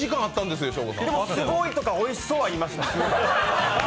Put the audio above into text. でも、すごーいとかおいしそうは言いました。